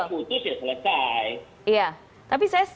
nanti kalau putus ya selesai